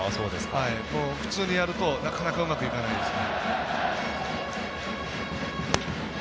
普通にやるとなかなかうまくいかないですよ。